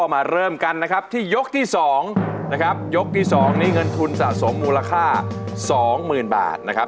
มาเริ่มกันนะครับที่ยกที่๒นะครับยกที่๒นี้เงินทุนสะสมมูลค่าสองหมื่นบาทนะครับ